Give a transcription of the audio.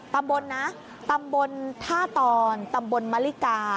ตำบลนะตำบลท่าตอนตำบลมะลิกา